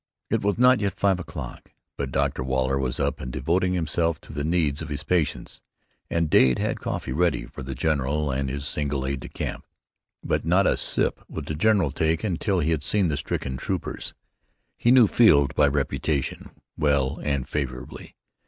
It was not yet five o'clock, but Dr. Waller was up and devoting himself to the needs of his patients, and Dade had coffee ready for the general and his single aide de camp, but not a sip would the general take until he had seen the stricken troopers. He knew Field by reputation, well and favorably.